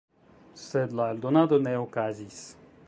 Sed la eldonado ne okazis.